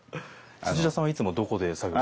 土田さんはいつもどこで作業を？